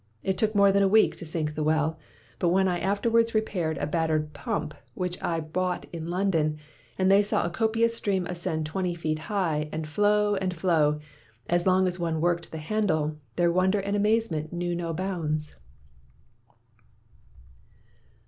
It took more than a week to sink the well ; but when I afterwards repaired a battered pump 176 MACKAY'S NEW NAME which I bought in London, and they saw a copious stream ascend twenty feet high, and flow and flow, as long as one worked the handle, their wonder and amazement knew no bounds.